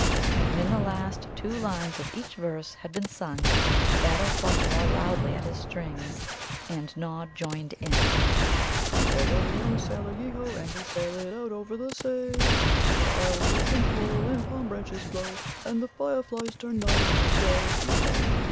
And when the last two lines of each verse had been sung, Battle plucked more loudly at his strings, and Nod joined in. "Once and there was a young sailor, yeo ho! And he sailèd out over the say For the isles where pink coral and palm branches blow, And the fire flies turn night into day, Yeo ho!